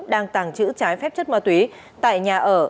đang tàng trữ trái phép chất ma túy tại nhà ở